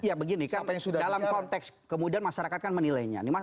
ya begini dalam konteks kemudian masyarakat kan menilainya